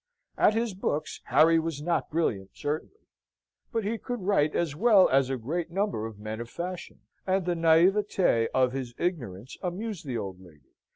At his books Harry was not brilliant certainly; but he could write as well as a great number of men of fashion; and the naivete of his ignorance amused the old lady.